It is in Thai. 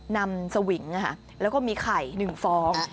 นำสวิงนะคะแล้วก็มีไข่หนึ่งฟอง